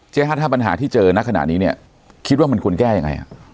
ฮัทถ้าปัญหาที่เจอนะขณะนี้เนี่ยคิดว่ามันควรแก้ยังไง